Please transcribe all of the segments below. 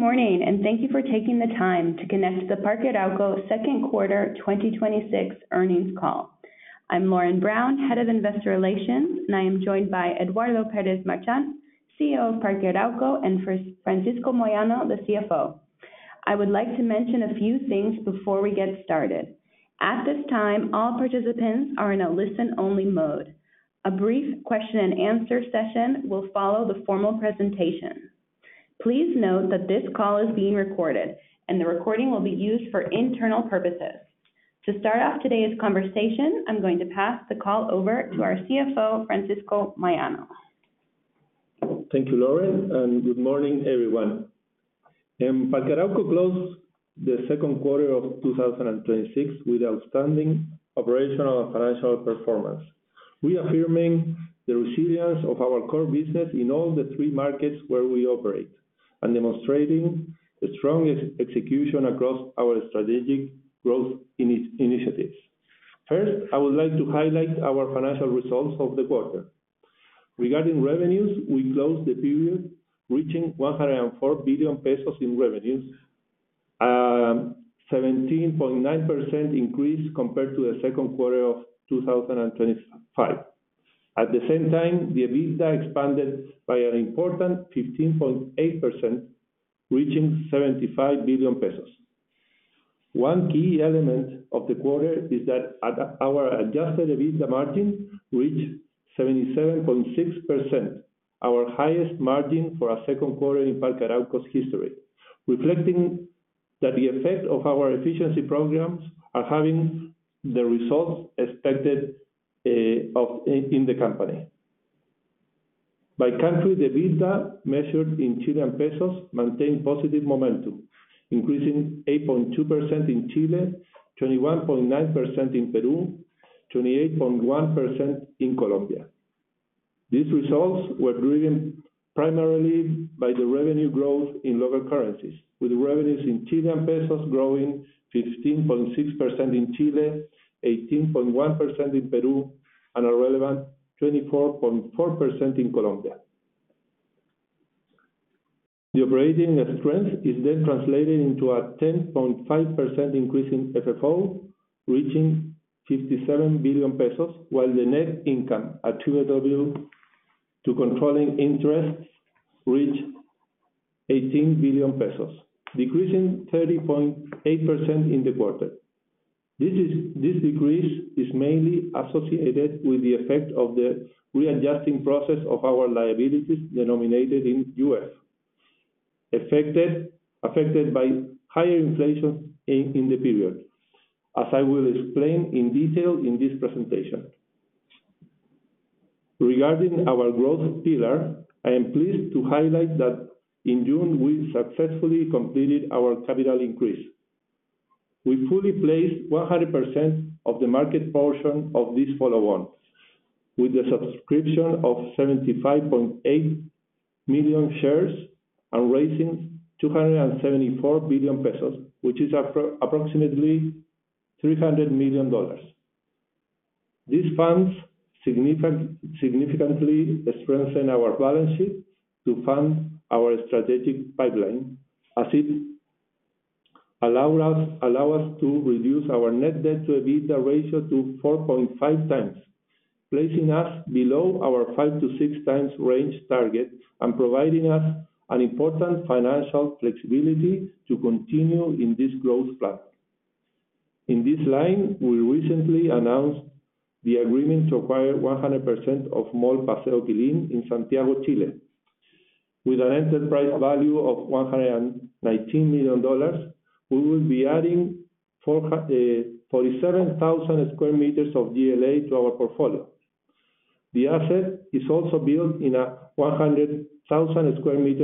Good morning, thank you for taking the time to connect to the Parque Arauco second quarter 2026 earnings call. I'm Lauren Brown, Head of Investor Relations, and I am joined by Eduardo Pérez Marchant, CEO of Parque Arauco, and Francisco Moyano, the CFO. I would like to mention a few things before we get started. At this time, all participants are in a listen-only mode. A brief question-and-answer session will follow the formal presentation. Please note that this call is being recorded, and the recording will be used for internal purposes. To start off today's conversation, I'm going to pass the call over to our CFO, Francisco Moyano. Thank you, Lauren, good morning, everyone. Parque Arauco closed the second quarter of 2026 with outstanding operational and financial performance. Reaffirming the resilience of our core business in all the three markets where we operate and demonstrating the strong execution across our strategic growth initiatives. First, I would like to highlight our financial results of the quarter. Regarding revenues, we closed the period reaching 104 billion pesos in revenues, a 17.9% increase compared to the second quarter of 2025. At the same time, EBITDA expanded by an important 15.8%, reaching 75 billion. One key element of the quarter is that our adjusted EBITDA margin reached 77.6%, our highest margin for a second quarter in Parque Arauco's history, reflecting that the effect of our efficiency programs are having the results expected in the company. By country, EBITDA measured in CLP maintained positive momentum, increasing 8.2% in Chile, 21.9% in Peru, 28.1% in Colombia. These results were driven primarily by the revenue growth in local currencies, with revenues in CLP growing 15.6% in Chile, 18.1% in Peru, and a relevant 24.4% in Colombia. The operating strength is translated into a 10.5% increase in FFO, reaching 57 billion pesos, while the net income attributed to controlling interest reached 18 billion pesos, decreasing 30.8% in the quarter. This decrease is mainly associated with the effect of the readjusting process of our liabilities denominated in U.S., affected by higher inflation in the period, as I will explain in detail in this presentation. Regarding our growth pillar, I am pleased to highlight that in June, we successfully completed our capital increase. We fully placed 100% of the market portion of this follow-on, with the subscription of 75.8 million shares and raising 274 billion pesos, which is approximately $300 million. These funds significantly strengthen our balance sheet to fund our strategic pipeline, as it allow us to reduce our net debt-to-EBITDA ratio to 4.5 times, placing us below our 5-6 times range target and providing us an important financial flexibility to continue in this growth plan. In this line, we recently announced the agreement to acquire 100% of Mall Paseo Quilín in Santiago, Chile. With an enterprise value of $119 million, we will be adding 47,000 sq m of GLA to our portfolio. The asset is also built in a 100,000 sq m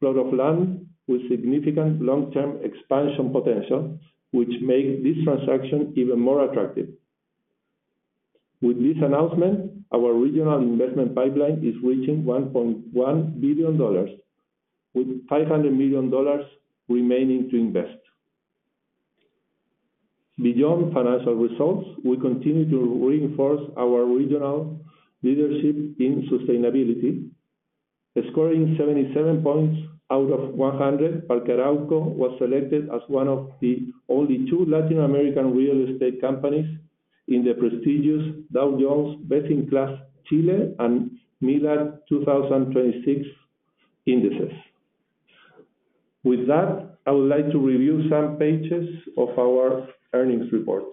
plot of land with significant long-term expansion potential, which make this transaction even more attractive. With this announcement, our regional investment pipeline is reaching $1.1 billion, with CLP 500 million remaining to invest. Beyond financial results, we continue to reinforce our regional leadership in sustainability. Scoring 77 points out of 100, Parque Arauco was selected as one of the only two Latin American real estate companies in the prestigious Dow Jones Best-in-Class Chile and MILA 2026 indices. With that, I would like to review some pages of our earnings report.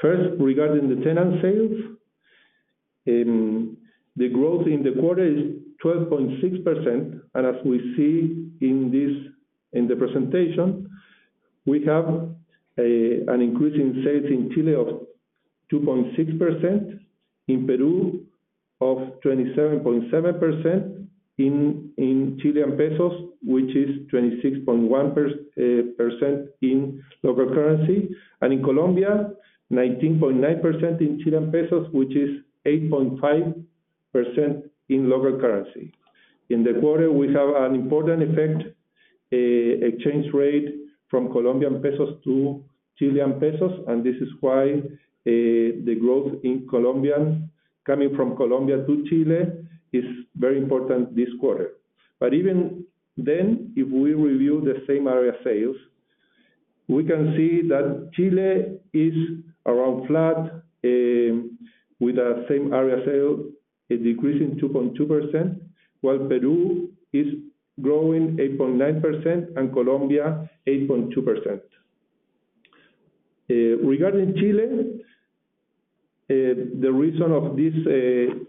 First, regarding the tenant sales. The growth in the quarter is 12.6%, and as we see in the presentation, we have an increase in sales in Chile of 2.6%, in Peru of 27.7% in CLP, which is 26.1% in local currency, and in Colombia, 19.9% in CLP, which is 8.5% in local currency. In the quarter, we have an important effect A exchange rate from COP to CLP, this is why the growth coming from Colombia to Chile is very important this quarter. Even then, if we review the same area sales, we can see that Chile is around flat with the same area sales decreasing 2.2%, while Peru is growing 8.9% and Colombia 8.2%. Regarding Chile, the reason of this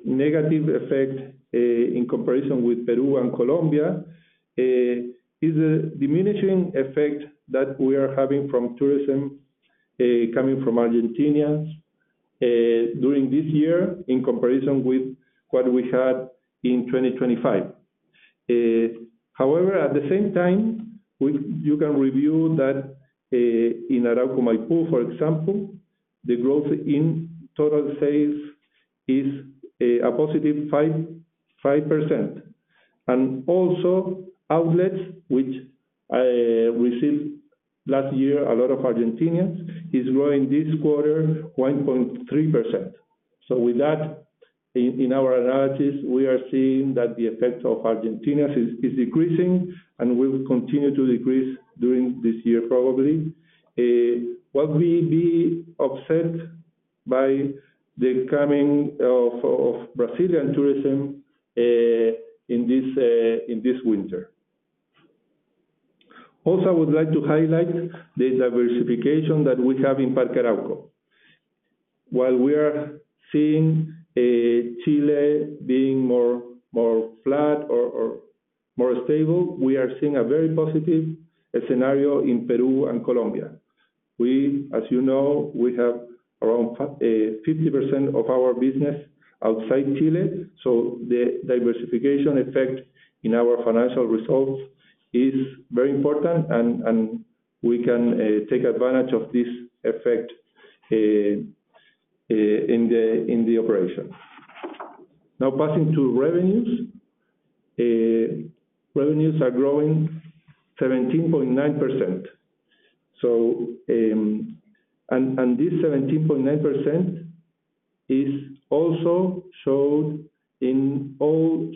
negative effect in comparison with Peru and Colombia is a diminishing effect that we are having from tourism coming from Argentinians during this year in comparison with what we had in 2025. However, at the same time, you can review that in Arauco Maipú, for example, the growth in total sales is a positive 5%. Also outlets, which received last year a lot of Argentinians, is growing this quarter 1.3%. With that, in our analysis, we are seeing that the effect of Argentinians is decreasing and will continue to decrease during this year probably. What will be offset by the coming of Brazilian tourism in this winter. Also, I would like to highlight the diversification that we have in Parque Arauco. While we are seeing Chile being more flat or more stable, we are seeing a very positive scenario in Peru and Colombia. As you know, we have around 50% of our business outside Chile, so the diversification effect in our financial results is very important, and we can take advantage of this effect in the operation. Now passing to revenues. Revenues are growing 17.9%. This 17.9% is also shown in all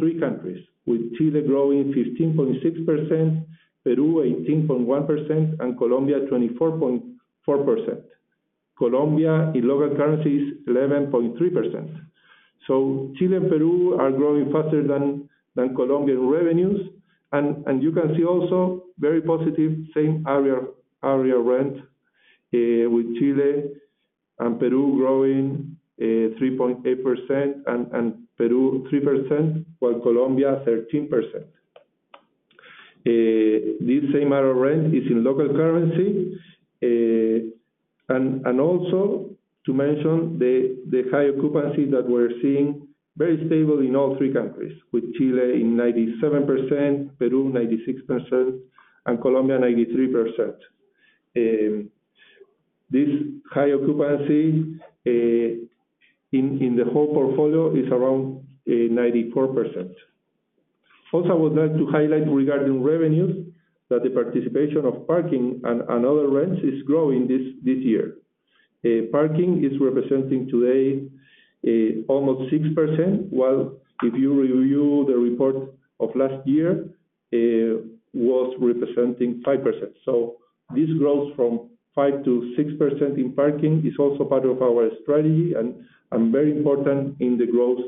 three countries, with Chile growing 15.6%, Peru 18.1%, and Colombia 24.4%. Colombia in local currency is 11.3%. Chile and Peru are growing faster than Colombian revenues. You can see also very positive same area rent with Chile and Peru growing 3.8% and Peru 3%, while Colombia 13%. This same area rent is in local currency. Also to mention the high occupancy that we're seeing, very stable in all three countries, with Chile in 97%, Peru 96%, and Colombia 93%. This high occupancy in the whole portfolio is around 94%. Also, I would like to highlight regarding revenues, that the participation of parking and other rents is growing this year. Parking is representing today almost 6%, while if you review the report of last year, it was representing 5%. This growth from 5%-6% in parking is also part of our strategy and very important in the growth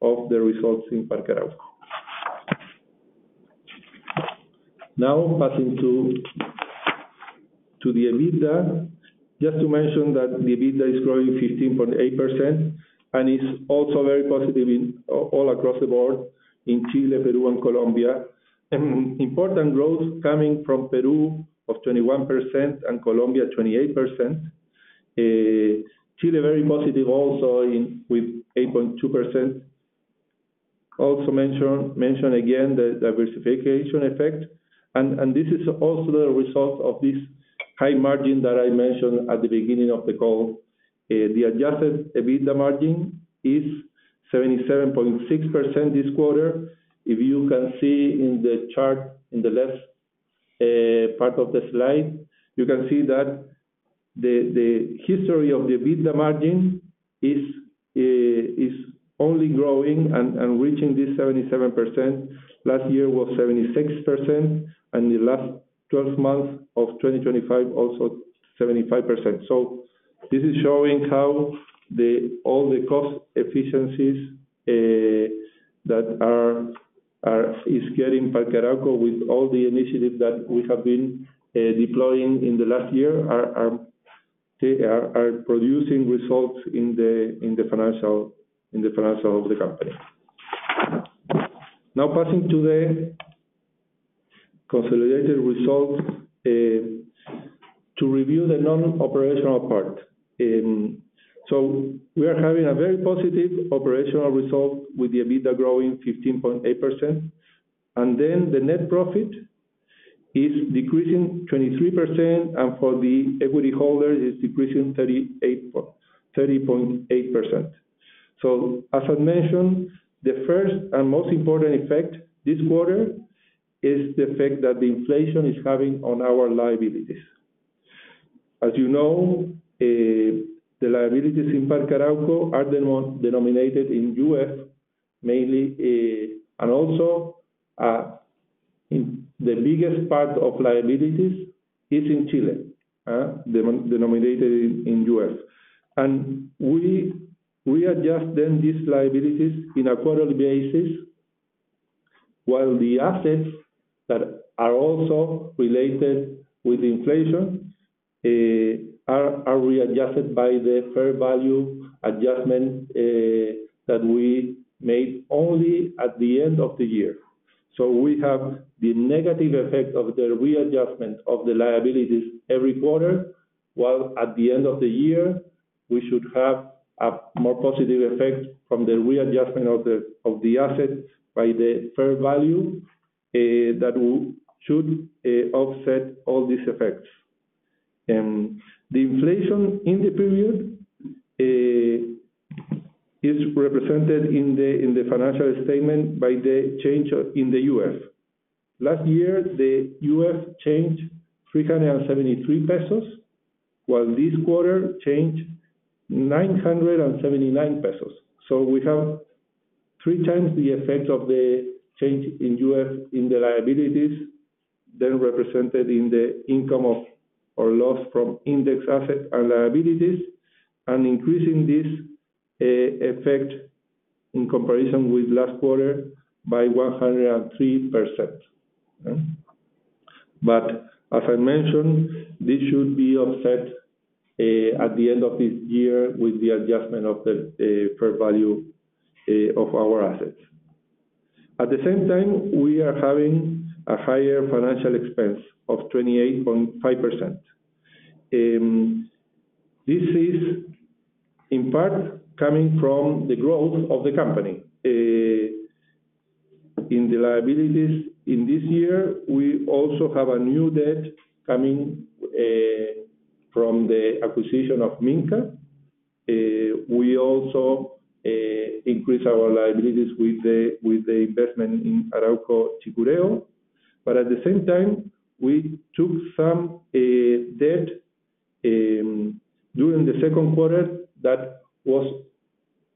of the results in Parque Arauco. Now passing to the EBITDA. Just to mention that the EBITDA is growing 15.8% and is also very positive all across the board in Chile, Peru, and Colombia. Important growth coming from Peru of 21% and Colombia 28%. Chile very positive also with 8.2%. Also mention again the diversification effect, and this is also the result of this high margin that I mentioned at the beginning of the call. The adjusted EBITDA margin is 77.6% this quarter. If you can see in the chart in the left part of the slide, you can see that the history of the EBITDA margin is only growing and reaching this 77%. Last year was 76%, and the last 12 months of 2025, also 75%. This is showing how all the cost efficiencies that is getting Parque Arauco with all the initiatives that we have been deploying in the last year, are producing results in the financial of the company. Now passing to the consolidated results to review the non-operational part. We are having a very positive operational result with the EBITDA growing 15.8%. The net profit is decreasing 23%, and for the equity holders, it's decreasing 30.8%. As I mentioned, the first and most important effect this quarter is the effect that the inflation is having on our liabilities. As you know, the liabilities in Parque Arauco are denominated in USD mainly, and also, the biggest part of liabilities is in Chile, denominated in USD. We adjust then these liabilities in a quarterly basis, while the assets that are also related with inflation are readjusted by the fair value adjustment that we make only at the end of the year. We have the negative effect of the readjustment of the liabilities every quarter, while at the end of the year, we should have a more positive effect from the readjustment of the assets by the fair value that should offset all these effects. The inflation in the period is represented in the financial statement by the change in the UF. Last year, the UF changed 373 pesos, while this quarter changed 979 pesos. We have three times the effect of the change in UF in the liabilities, then represented in the income of, or loss from index assets and liabilities, and increasing this effect in comparison with last quarter by 103%. As I mentioned, this should be offset at the end of this year with the adjustment of the fair value of our assets. At the same time, we are having a higher financial expense of 28.5%. This is, in part, coming from the growth of the company. In the liabilities in this year, we also have a new debt coming from the acquisition of Minka. We also increase our liabilities with the investment in Arauco Chicureo. At the same time, we took some debt during the second quarter that was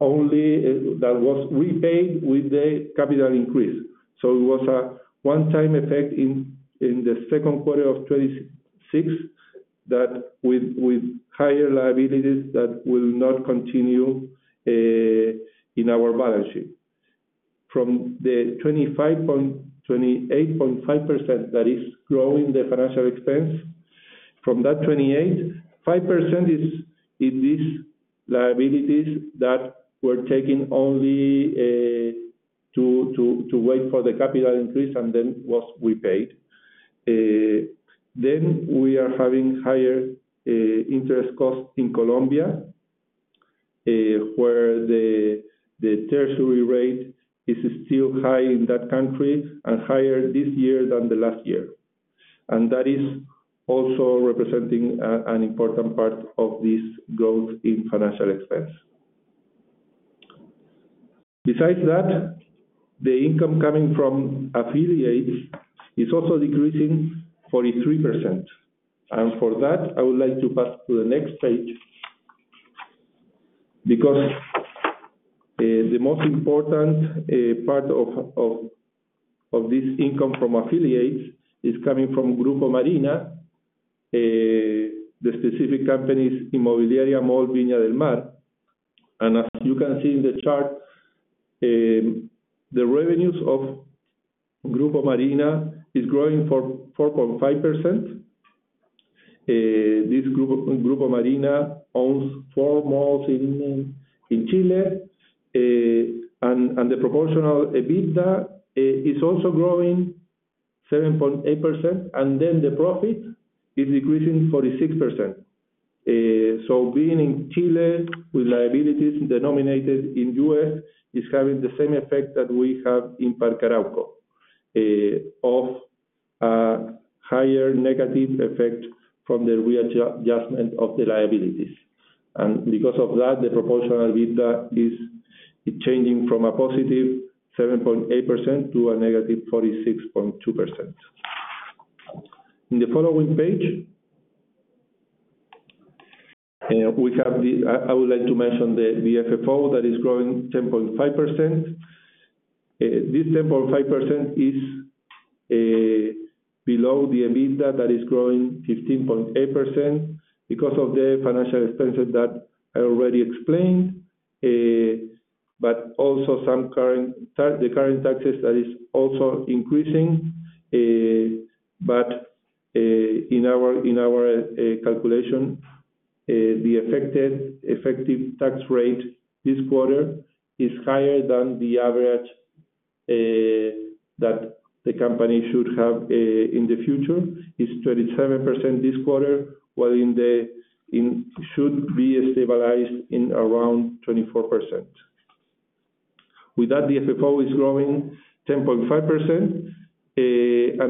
repaid with the capital increase. It was a one-time effect in the second quarter of 2026 with higher liabilities that will not continue in our balance sheet. From the 28.5% that is growing the financial expense, from that 28.5% is this liabilities that we're taking only to wait for the capital increase, and then was repaid. We are having higher interest costs in Colombia, where the treasury rate is still high in that country and higher this year than the last year. That is also representing an important part of this growth in financial expense. Besides that, the income coming from affiliates is also decreasing 43%. For that, I would like to pass to the next page, because the most important part of this income from affiliates is coming from Grupo Marina, the specific companies Inmobiliaria Mall Viña del Mar. As you can see in the chart, the revenues of Grupo Marina is growing 4.5%. This Grupo Marina owns four malls in Chile, the proportional EBITDA is also growing 7.8%, the profit is decreasing 46%. Being in Chile with liabilities denominated in U.S. is having the same effect that we have in Parque Arauco, of a higher negative effect from the readjustment of the liabilities. Because of that, the proportional EBITDA is changing from a +7.8% to a -46.2%. In the following page, I would like to mention the FFO that is growing 10.5%. This 10.5% is below the EBITDA that is growing 15.8% because of the financial expenses that I already explained, also the current taxes that is also increasing. In our calculation, the effective tax rate this quarter is higher than the average that the company should have in the future. It is 37% this quarter, while it should be stabilized in around 24%. With that, the FFO is growing 10.5%.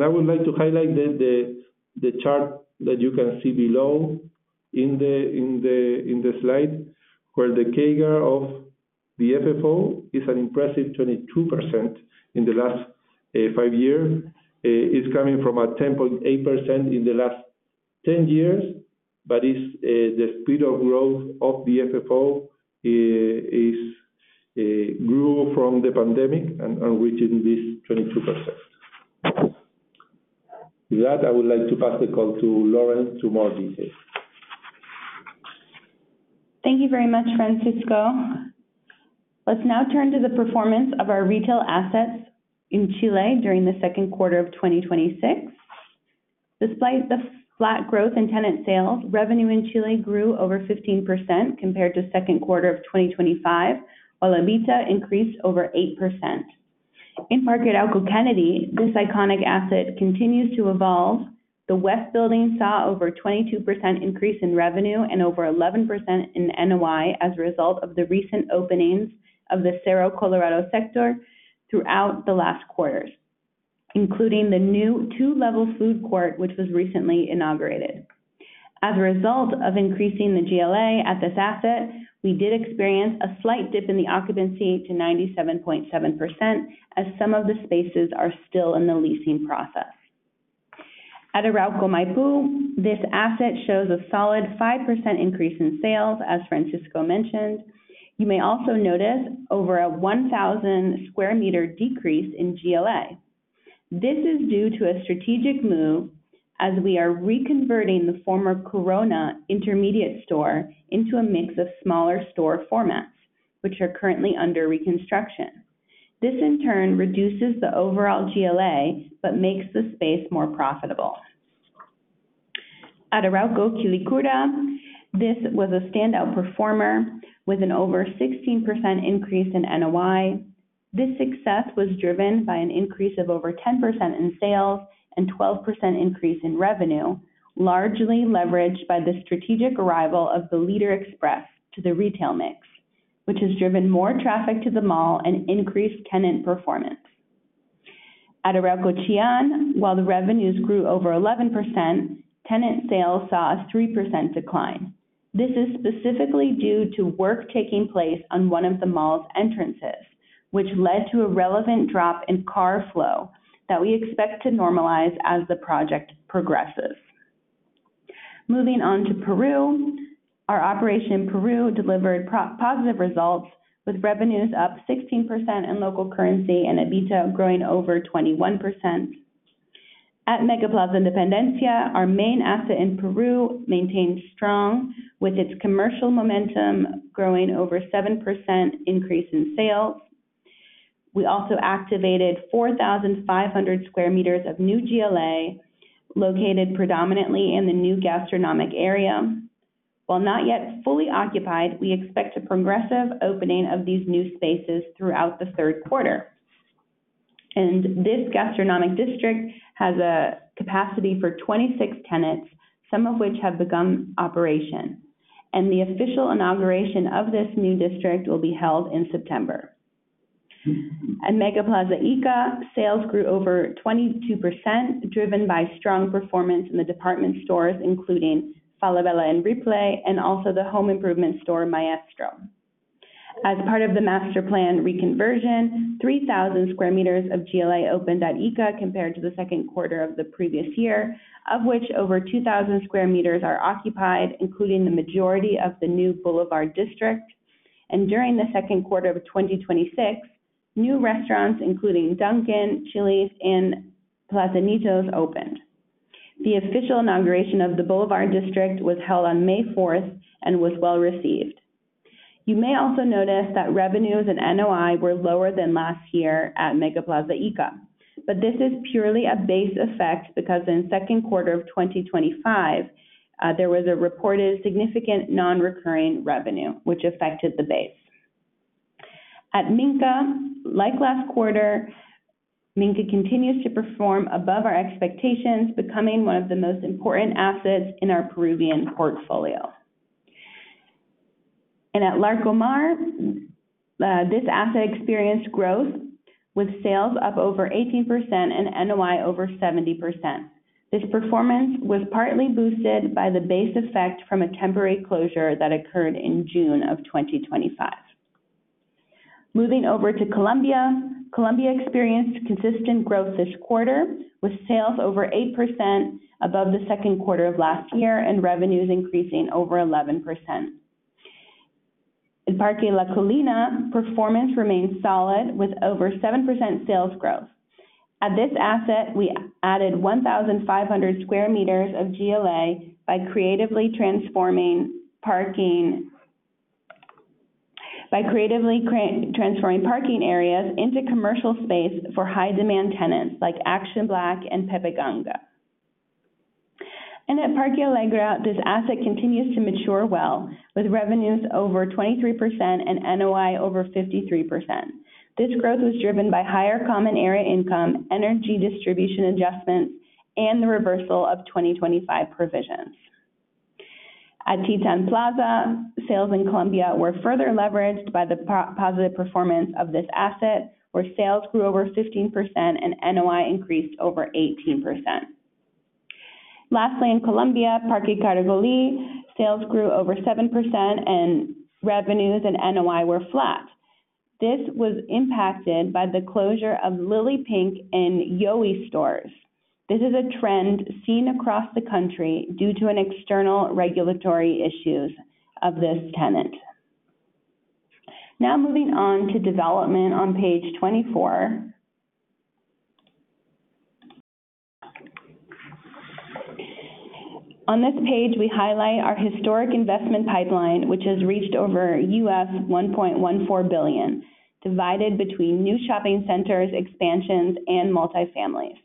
I would like to highlight the chart that you can see below in the slide, where the CAGR of the FFO is an impressive 22% in the last five years. It is coming from a 10.8% in the last 10 years, the speed of growth of the FFO grew from the pandemic and reached this 22%. With that, I would like to pass the call to Lauren for more details. Thank you very much, Francisco. Let's now turn to the performance of our retail assets in Chile during the second quarter of 2026. Despite the flat growth in tenant sales, revenue in Chile grew over 15% compared to second quarter of 2025, while EBITDA increased over 8%. In Parque Arauco Kennedy, this iconic asset continues to evolve. The west building saw over 22% increase in revenue and over 11% in NOI as a result of the recent openings of the Cerro Colorado sector throughout the last quarters, including the new two-level food court, which was recently inaugurated. As a result of increasing the GLA at this asset, we did experience a slight dip in the occupancy to 97.7%, as some of the spaces are still in the leasing process. At Arauco Maipú, this asset shows a solid 5% increase in sales, as Francisco mentioned. You may also notice over a 1,000 sq m decrease in GLA. This is due to a strategic move as we are reconverting the former Corona intermediate store into a mix of smaller store formats, which are currently under reconstruction. This in turn reduces the overall GLA but makes the space more profitable. At Arauco Quilicura, this was a standout performer with an over 16% increase in NOI. This success was driven by an increase of over 10% in sales and 12% increase in revenue, largely leveraged by the strategic arrival of the Líder Express to the retail mix, which has driven more traffic to the mall and increased tenant performance. At Arauco Chillán, while the revenues grew over 11%, tenant sales saw a 3% decline. This is specifically due to work taking place on one of the mall's entrances, which led to a relevant drop in car flow that we expect to normalize as the project progresses. Moving on to Peru. Our operation in Peru delivered positive results with revenues up 16% in local currency and EBITDA growing over 21%. At MegaPlaza Independencia, our main asset in Peru maintains strong, with its commercial momentum growing over 7% increase in sales. We also activated 4,500 sq m of new GLA located predominantly in the new gastronomic area. While not yet fully occupied, we expect a progressive opening of these new spaces throughout the third quarter. This gastronomic district has a capacity for 26 tenants, some of which have begun operation. The official inauguration of this new district will be held in September. At MegaPlaza Ica, sales grew over 22%, driven by strong performance in the department stores, including Falabella and Ripley, and also the home improvement store Maestro. As part of the master plan reconversion, 3,000 sq m of GLA opened at Ica compared to the second quarter of the previous year, of which over 2,000 sq m are occupied, including the majority of the new Boulevard district. During the second quarter of 2026, new restaurants including Dunkin', Chili's, and Plazanitos opened. The official inauguration of the Boulevard district was held on May 4th and was well-received. You may also notice that revenues and NOI were lower than last year at MegaPlaza Ica. This is purely a base effect because in second quarter of 2025, there was a reported significant non-recurring revenue, which affected the base. At Minka, like last quarter, Minka continues to perform above our expectations, becoming one of the most important assets in our Peruvian portfolio. At Larcomar, this asset experienced growth with sales up over 18% and NOI over 70%. This performance was partly boosted by the base effect from a temporary closure that occurred in June of 2025. Moving over to Colombia. Colombia experienced consistent growth this quarter with sales over 8% above the second quarter of last year and revenues increasing over 11%. In Parque La Colina, performance remains solid with over 7% sales growth. At this asset, we added 1,500 sq m of GLA by creatively transforming parking areas into commercial space for high-demand tenants like Action Black and Pepe Ganga. At Parque Alegra, this asset continues to mature well, with revenues over 23% and NOI over 53%. This growth was driven by higher common area income, energy distribution adjustments, and the reversal of 2025 provisions. At Titán Plaza, sales in Colombia were further leveraged by the positive performance of this asset, where sales grew over 15% and NOI increased over 18%. Lastly, in Colombia, Parque Cardonal sales grew over 7% and revenues and NOI were flat. This was impacted by the closure of Lili Pink and Yoi stores. This is a trend seen across the country due to external regulatory issues of this tenant. Moving on to development on page 24. On this page, we highlight our historic investment pipeline, which has reached over $1.14 billion, divided between new shopping centers, expansions, and multi-families.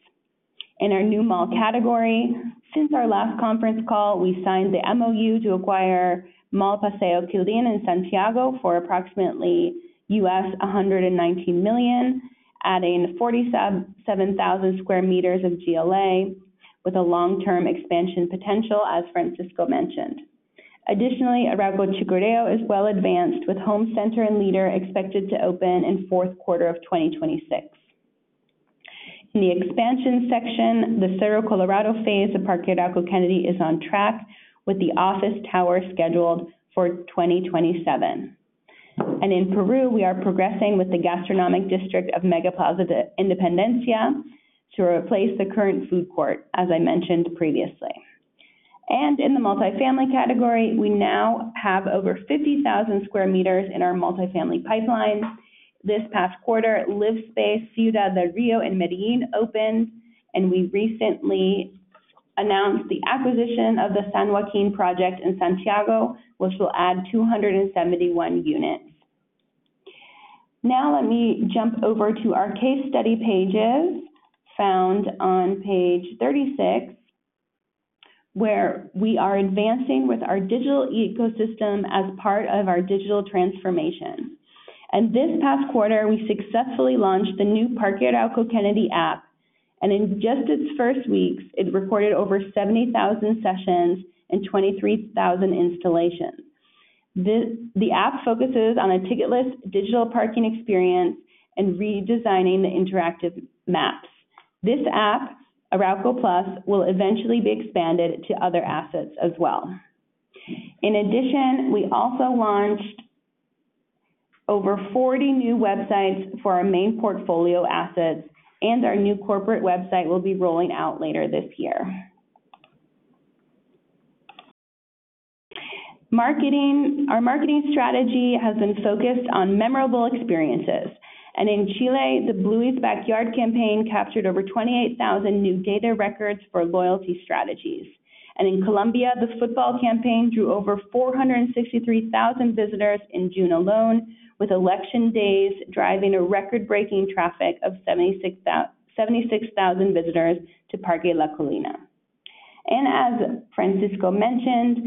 In our new mall category, since our last conference call, we signed the MoU to acquire Mall Paseo Quilín in Santiago for approximately $119 million, adding 47,000 sq m of GLA with a long-term expansion potential, as Francisco mentioned. Additionally, Arauco Chicureo is well-advanced, with Homecenter and Líder expected to open in the fourth quarter of 2026. In the expansion section, the Cerro Colorado phase of Parque Arauco Kennedy is on track, with the office tower scheduled for 2027. In Peru, we are progressing with the gastronomic district of MegaPlaza Independencia to replace the current food court, as I mentioned previously. In the multi-family category, we now have over 50,000 sq m in our multi-family pipeline. This past quarter, LiveSpace+ Ciudad del Río in Medellín opened, and we recently announced the acquisition of the San Joaquín project in Santiago, which will add 271 units. Let me jump over to our case study pages, found on page 36, where we are advancing with our digital ecosystem as part of our digital transformation. This past quarter, we successfully launched the new Parque Arauco Kennedy app, and in just its first weeks, it recorded over 70,000 sessions and 23,000 installations. The app focuses on a ticketless digital parking experience and redesigning the interactive maps. This app, Arauco+, will eventually be expanded to other assets as well. In addition, we also launched over 40 new websites for our main portfolio assets, and our new corporate website will be rolling out later this year. Our marketing strategy has been focused on memorable experiences. In Chile, the Blue's Backyard campaign captured over 28,000 new data records for loyalty strategies. In Colombia, the football campaign drew over 463,000 visitors in June alone, with election days driving a record-breaking traffic of 76,000 visitors to Parque La Colina. As Francisco mentioned,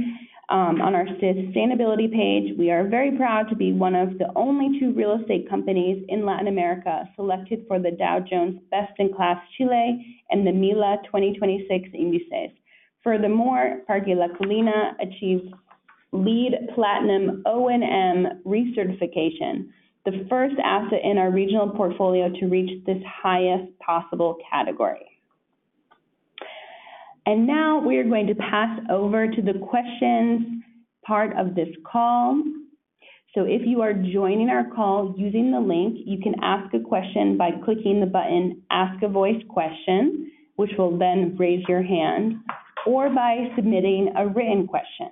on our sustainability page, we are very proud to be one of the only two real estate companies in Latin America selected for the Dow Jones Best-in-Class Chile and the MILA 2026 indices. Furthermore, Parque La Colina achieved LEED Platinum O+M recertification, the first asset in our regional portfolio to reach this highest possible category. Now we are going to pass over to the questions part of this call. If you are joining our call using the link, you can ask a question by clicking the button, Ask a Voice Question, which will then raise your hand, or by submitting a written question.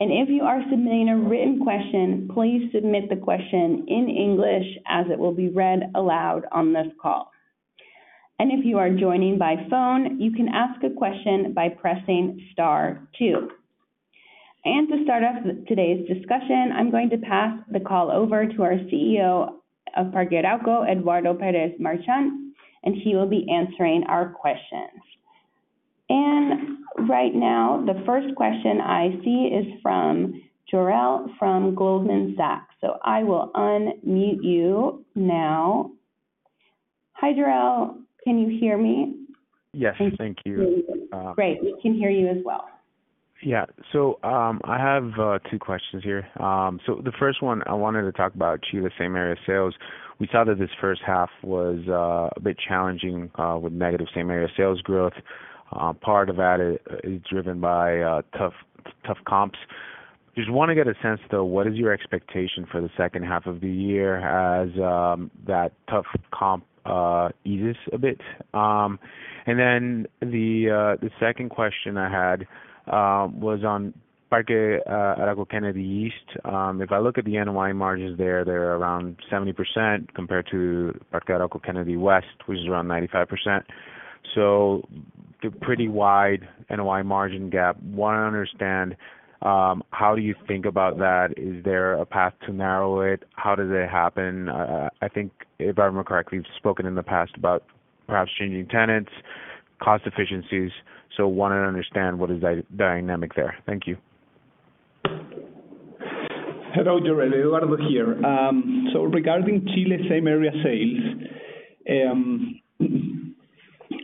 If you are submitting a written question, please submit the question in English as it will be read aloud on this call. If you are joining by phone, you can ask a question by pressing star two. To start off today's discussion, I'm going to pass the call over to our CEO of Parque Arauco, Eduardo Pérez Marchant, and he will be answering our questions. Right now, the first question I see is from Jorel from Goldman Sachs. I will unmute you now. Hi, Jorel. Can you hear me? Yes. Thank you. Great. We can hear you as well. I have two questions here. The first one, I wanted to talk about Chile same-area sales. We saw that this first half was a bit challenging with negative same-area sales growth. Part of that is driven by tough comps. Just want to get a sense, though, what is your expectation for the second half of the year as that tough comp eases a bit? Then the second question I had was on Parque Arauco Kennedy East. If I look at the NOI margins there, they're around 70% compared to Parque Arauco Kennedy West, which is around 95%. Pretty wide NOI margin gap. Want to understand, how do you think about that? Is there a path to narrow it? How does it happen? I think, if I remember correctly, you've spoken in the past about perhaps changing tenants, cost efficiencies. I want to understand what is the dynamic there. Thank you. Hello, Jorel. Eduardo here. Regarding Chile same-area sales,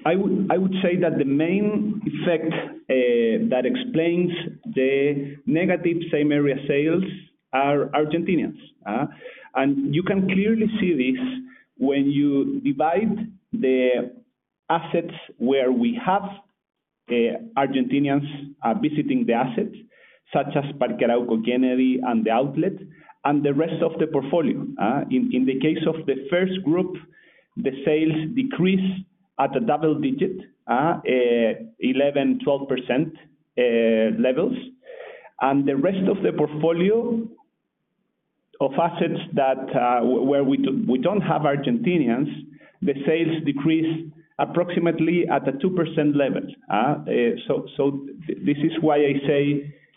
I would say that the main effect that explains the negative same-area sales are Argentinians. You can clearly see this when you divide the assets where we have Argentinians visiting the assets, such as Parque Arauco Kennedy and The Outlet, and the rest of the portfolio. In the case of the first group, the sales decrease at a double-digit, 11%-12% levels. The rest of the portfolio of assets where we don't have Argentinians, the sales decrease approximately at a 2% level. This is why I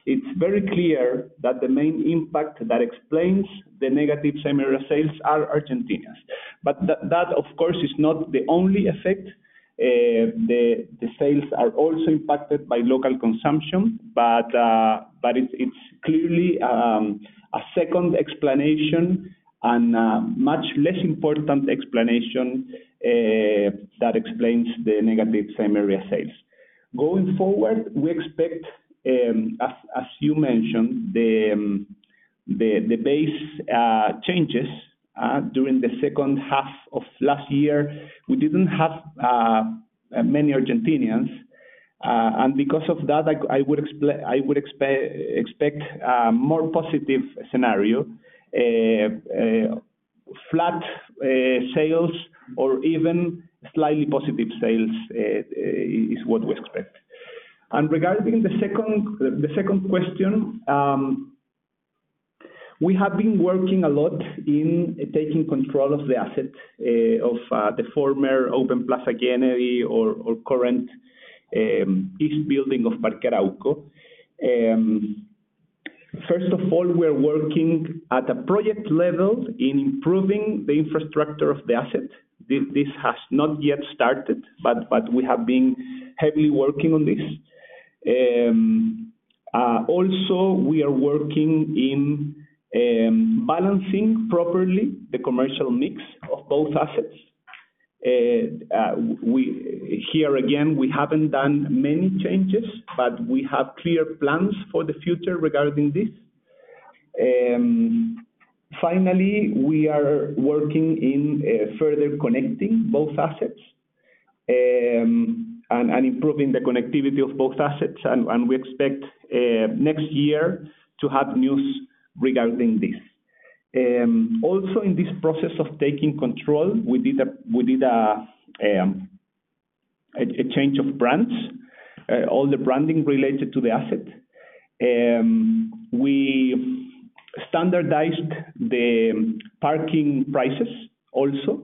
say it's very clear that the main impact that explains the negative same-area sales are Argentinians. That, of course, is not the only effect. The sales are also impacted by local consumption. It's clearly a second explanation, and much less important explanation, that explains the negative same-area sales. Going forward, we expect, as you mentioned, the base changes during the second half of last year. We didn't have many Argentinians, and because of that, I would expect a more positive scenario. Flat sales or even slightly positive sales is what we expect. Regarding the second question, we have been working a lot in taking control of the asset of the former Open Plaza Kennedy or current East Building of Parque Arauco. First of all, we're working at a project level in improving the infrastructure of the asset. This has not yet started, but we have been heavily working on this. Also, we are working in balancing properly the commercial mix of both assets. Here again, we haven't done many changes, but we have clear plans for the future regarding this. Finally, we are working in further connecting both assets, and improving the connectivity of both assets, and we expect next year to have news regarding this. Also in this process of taking control, we did a change of brands, all the branding related to the asset. We standardized the parking prices also.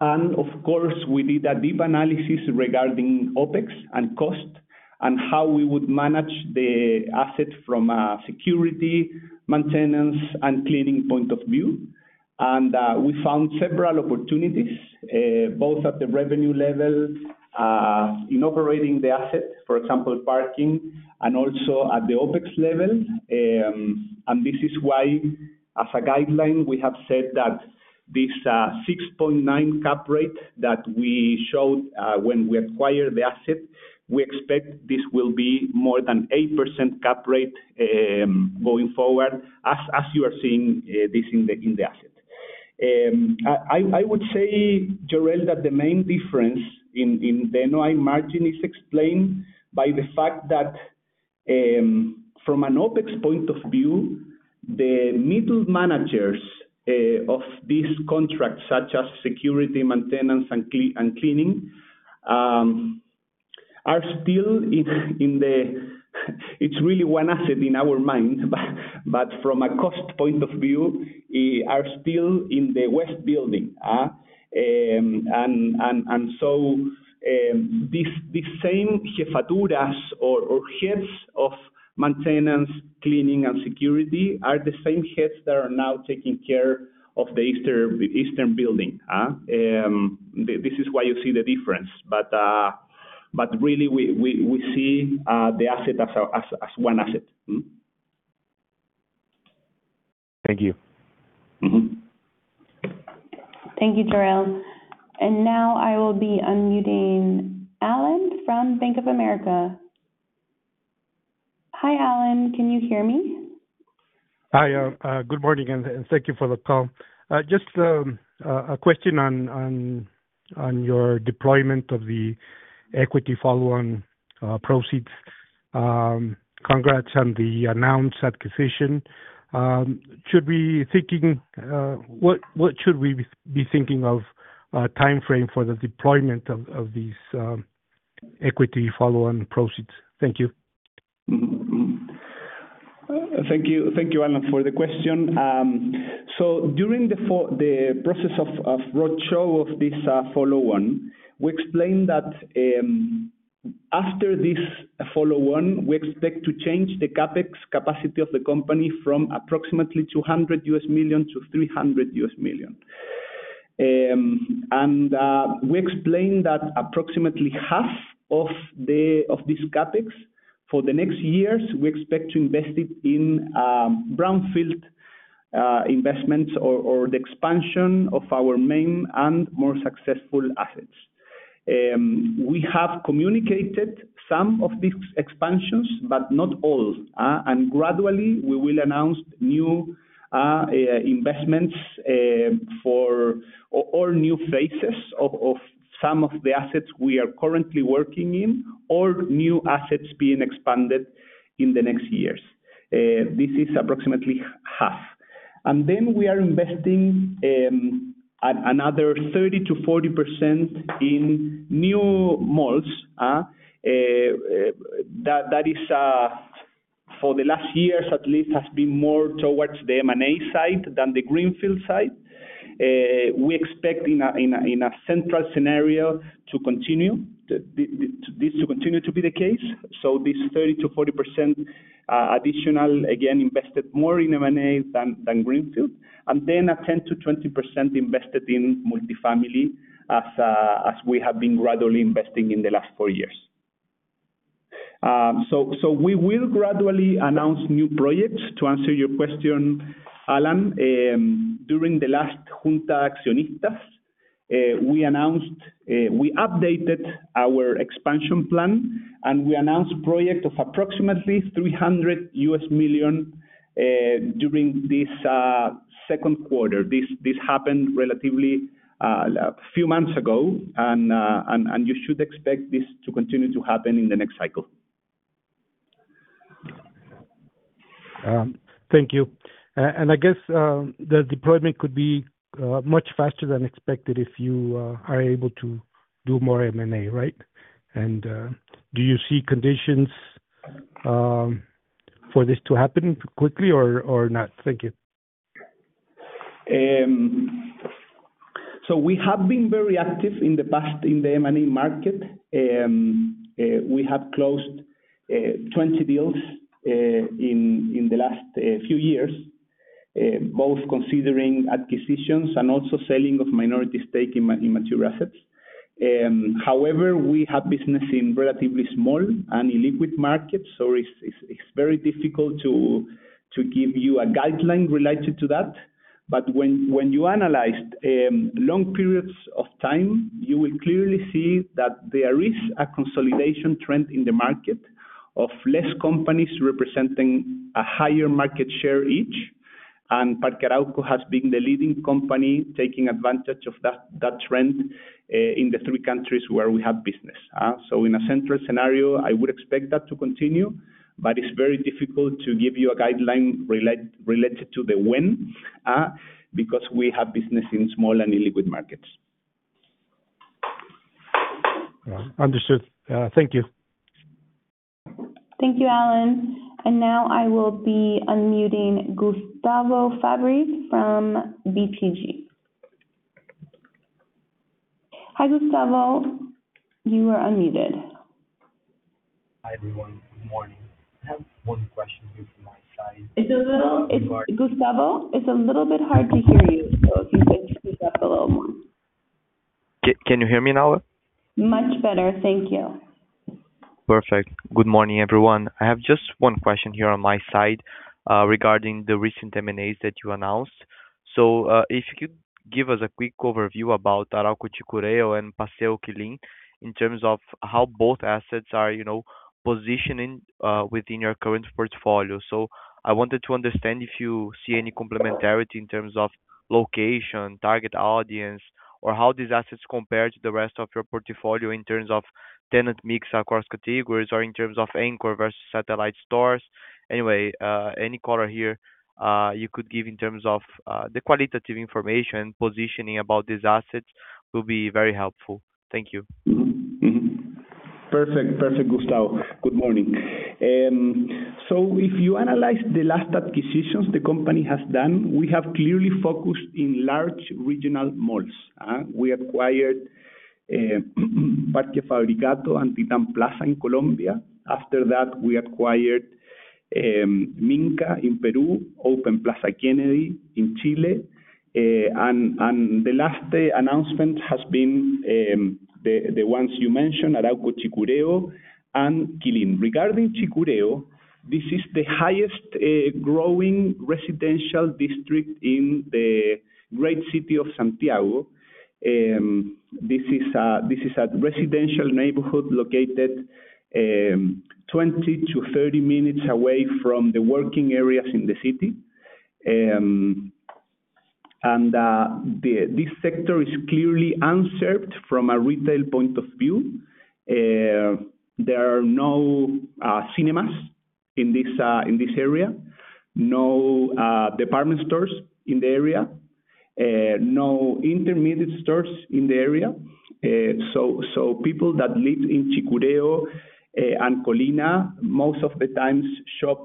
Of course, we did a deep analysis regarding OpEx and cost, and how we would manage the asset from a security, maintenance, and cleaning point of view. We found several opportunities, both at the revenue level in operating the asset, for example, parking, and also at the OpEx level. This is why, as a guideline, we have said that this 6.9 cap rate that we showed when we acquired the asset, we expect this will be more than 8% cap rate, going forward, as you are seeing this in the asset. I would say, Jorel, that the main difference in the NOI margin is explained by the fact that, from an OpEx point of view, the middle managers of these contracts, such as security, maintenance, and cleaning, are still in the It's really one asset in our minds, but from a cost point of view, are still in the west building. These same jefaturas or heads of maintenance, cleaning, and security are the same heads that are now taking care of the eastern building. This is why you see the difference. Really, we see the asset as one asset. Thank you. Thank you, Jorel. Now I will be unmuting Alan from Bank of America. Hi, Alan. Can you hear me? Hi. Good morning, and thank you for the call. Just a question on your deployment of the equity follow-on proceeds. Congrats on the announced acquisition. What should we be thinking of timeframe for the deployment of these equity follow-on proceeds? Thank you. Thank you, Alan, for the question. During the process of roadshow of this follow-on, we explained that after this follow-on, we expect to change the CapEx capacity of the company from approximately $200 million-$300 million. We explained that approximately half of this CapEx for the next years, we expect to invest it in brownfield investments or the expansion of our main and more successful assets. We have communicated some of these expansions, but not all. Gradually, we will announce new investments or new phases of some of the assets we are currently working in, or new assets being expanded in the next years. This is approximately half. We are investing another 30%-40% in new malls. That, for the last years at least, has been more towards the M&A side than the greenfield side. We expect in a central scenario, this to continue to be the case. This 30%-40% additional, again, invested more in M&A than greenfield. A 10%-20% invested in multifamily, as we have been gradually investing in the last four years. We will gradually announce new projects, to answer your question, Alan. During the last junta de accionistas, we updated our expansion plan, and we announced project of approximately $300 million during this second quarter. This happened relatively a few months ago. You should expect this to continue to happen in the next cycle. Thank you. I guess the deployment could be much faster than expected if you are able to do more M&A, right? Do you see conditions for this to happen quickly or not? Thank you. We have been very active in the past in the M&A market. We have closed 20 deals in the last few years, both considering acquisitions and also selling of minority stake in mature assets. However, we have business in relatively small and illiquid markets, so it's very difficult to give you a guideline related to that. When you analyze long periods of time, you will clearly see that there is a consolidation trend in the market of less companies representing a higher market share each. Parque Arauco has been the leading company taking advantage of that trend in the three countries where we have business. In a central scenario, I would expect that to continue, but it's very difficult to give you a guideline related to the when, because we have business in small and illiquid markets. Understood. Thank you. Thank you, Alan. Now I will be unmuting Gustavo Fabris from BTG. Hi, Gustavo. You are unmuted. Hi, everyone. Good morning. I have one question here from my side. Gustavo, it's a little bit hard to hear you, if you could speak up a little more. Can you hear me now? Much better. Thank you. Perfect. Good morning, everyone. I have just one question here on my side regarding the recent M&As that you announced. If you could give us a quick overview about Arauco Chicureo and Paseo Quilín in terms of how both assets are positioning within your current portfolio. I wanted to understand if you see any complementarity in terms of location, target audience, or how these assets compare to the rest of your portfolio in terms of tenant mix across categories or in terms of anchor versus satellite stores. Anyway, any color here you could give in terms of the qualitative information positioning about these assets will be very helpful. Thank you. Perfect, Gustavo. Good morning. If you analyze the last acquisitions the company has done, we have clearly focused in large regional malls. We acquired Parque Fabricato and Titán Plaza in Colombia. After that, we acquired Minka in Peru, Open Plaza Kennedy in Chile. The last announcement has been the ones you mentioned, Arauco Chicureo and Quilín. Regarding Chicureo, this is the highest growing residential district in the great city of Santiago. This is a residential neighborhood located 20 minutes-30 minutes away from the working areas in the city. This sector is clearly unserved from a retail point of view. There are no cinemas in this area, no department stores in the area, no intermediate stores in the area. People that live in Chicureo and Colina most of the times shop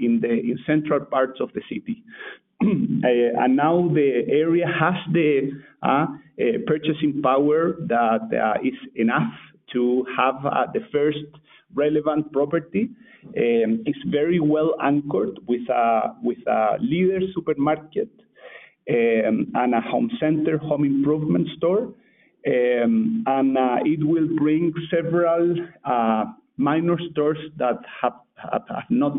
in the central parts of the city. Now the area has the purchasing power that is enough to have the first relevant property. It's very well anchored with a Líder supermarket and a Homecenter, home improvement store. It will bring several minor stores that have no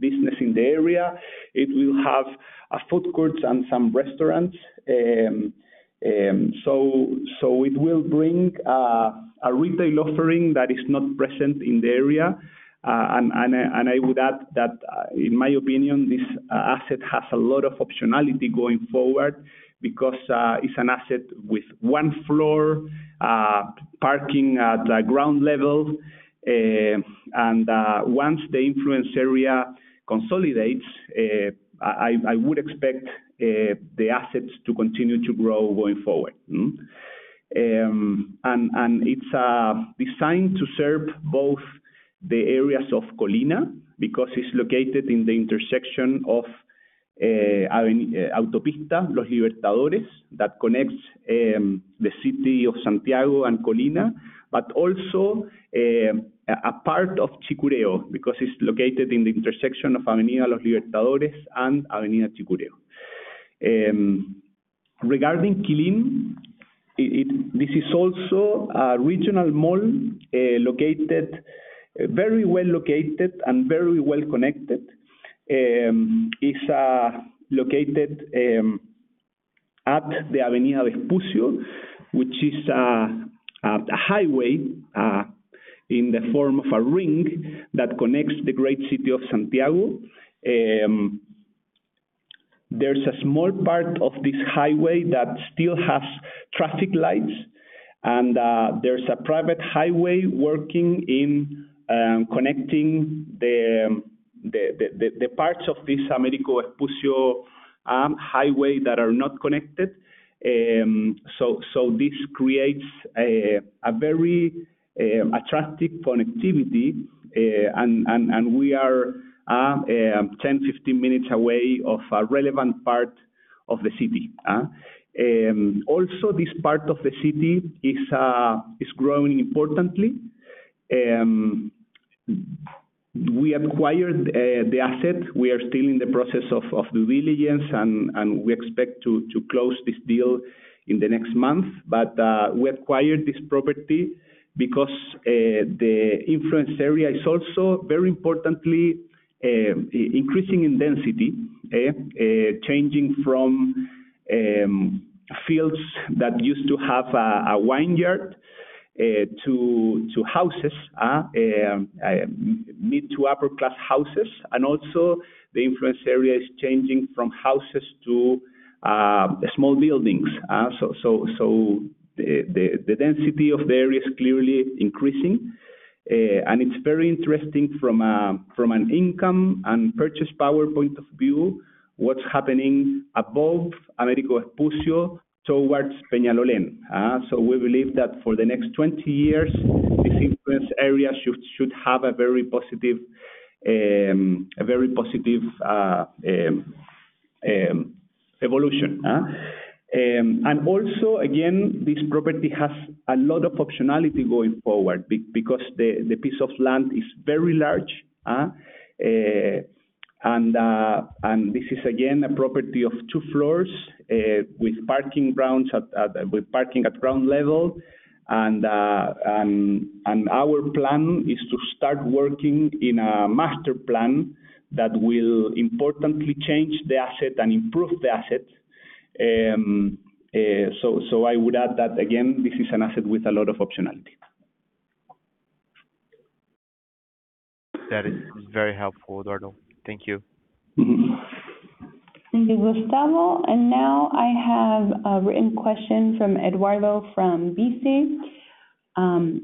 business in the area. It will have a food court and some restaurants. It will bring a retail offering that is not present in the area. I would add that, in my opinion, this asset has a lot of optionality going forward because it's an asset with one floor, parking at the ground level. Once the influence area consolidates, I would expect the assets to continue to grow going forward. It's designed to serve both the areas of Colina, because it's located in the intersection of Autopista Los Libertadores that connects the city of Santiago and Colina, but also a part of Chicureo, because it's located in the intersection of Avenida Los Libertadores and Avenida Chicureo. Regarding Quilín, this is also a regional mall, very well located and very well connected. It's located at the Avenida Américo Vespucio, which is a highway in the form of a ring that connects the great city of Santiago. There's a small part of this highway that still has traffic lights, and there's a private highway working in connecting the parts of this Américo Vespucio highway that are not connected. This creates a very attractive connectivity, and we are 10, 15 minutes away of a relevant part of the city. Also, this part of the city is growing importantly. We acquired the asset. We are still in the process of due diligence, and we expect to close this deal in the next month. We acquired this property because the influence area is also, very importantly, increasing in density. Changing from fields that used to have a vineyard, to houses, mid to upper class houses, and also the influence area is changing from houses to small buildings. The density of the area is clearly increasing. It's very interesting from an income and purchase power point of view, what's happening above Américo Vespucio towards Peñalolén. We believe that for the next 20 years, this influence area should have a very positive evolution. Also, again, this property has a lot of optionality going forward because the piece of land is very large. This is, again, a property of two floors with parking at ground level. Our plan is to start working in a master plan that will importantly change the asset and improve the asset. I would add that, again, this is an asset with a lot of optionality. That is very helpful, Eduardo. Thank you. Thank you, Gustavo. Now I have a written question from Eduardo from Bci.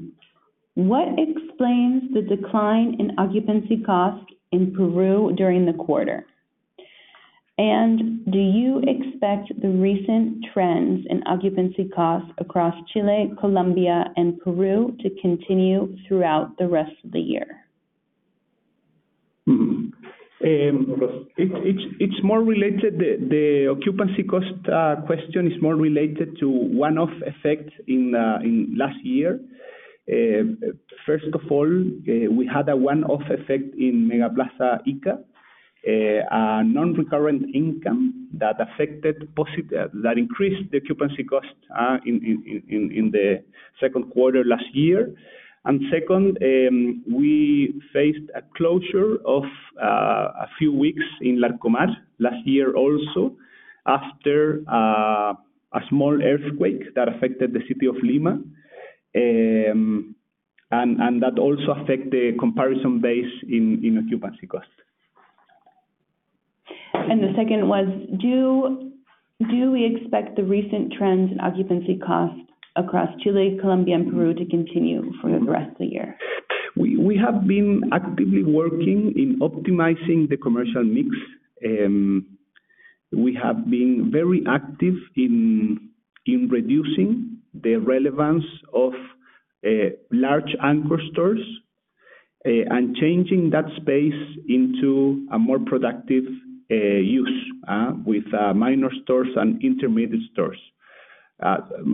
What explains the decline in occupancy costs in Peru during the quarter? Do you expect the recent trends in occupancy costs across Chile, Colombia and Peru to continue throughout the rest of the year? The occupancy cost question is more related to one-off effects in last year. First of all, we had a one-off effect in MegaPlaza Ica, a non-recurrent income that increased the occupancy cost in the second quarter last year. Second, we faced a closure of a few weeks in Larcomar last year also, after a small earthquake that affected the city of Lima. That also affect the comparison base in occupancy costs. The second was, do we expect the recent trends in occupancy costs across Chile, Colombia and Peru to continue for the rest of the year? We have been actively working in optimizing the commercial mix. We have been very active in reducing the relevance of large anchor stores and changing that space into a more productive use with minor stores and intermediate stores.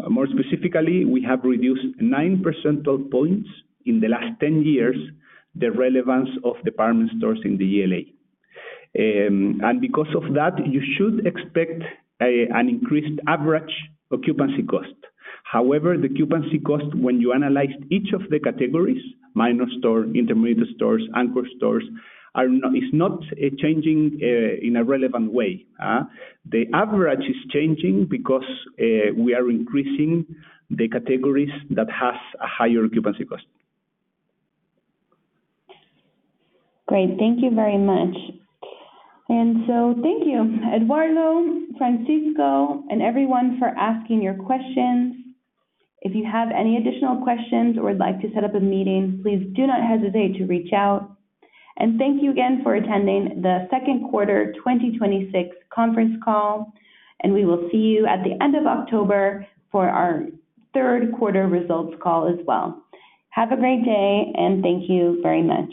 More specifically, we have reduced nine percentile points in the last 10 years, the relevance of department stores in the GLA. Because of that, you should expect an increased average occupancy cost. However, the occupancy cost, when you analyze each of the categories, minor store, intermediate stores, anchor stores, it's not changing in a relevant way. The average is changing because we are increasing the categories that has a higher occupancy cost. Great. Thank you very much. Thank you, Eduardo, Francisco, and everyone for asking your questions. If you have any additional questions or would like to set up a meeting, please do not hesitate to reach out. Thank you again for attending the second quarter 2026 conference call, and we will see you at the end of October for our third quarter results call as well. Have a great day, and thank you very much.